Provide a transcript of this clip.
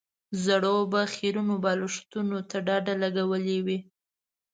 زړو به خيرنو بالښتونو ته ډډې لګولې وې.